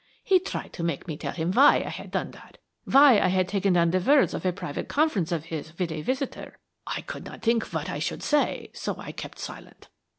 He tried to make me tell him why I had done that why I had taken down the words of a private conference of his with a visitor. I could not think what I should say, so I kept silent.